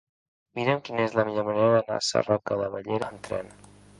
Mira'm quina és la millor manera d'anar a Sarroca de Bellera amb tren.